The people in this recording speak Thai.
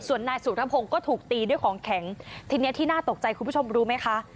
ส่วนนายสุธพงศ์ก็ถูกตีด้วยของแข็งทีนี้ที่น่าตกใจคุณผู้ชมรู้ไหมคะ